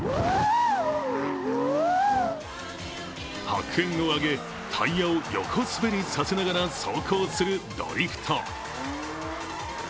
白煙を上げ、タイヤを横滑りさせながら走行するドリフト。